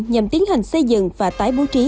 nhằm tiến hành xây dựng và tái bố trí